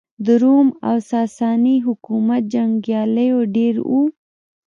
د روم او ساسا ني حکومت جنګیالېیو ډېر وو.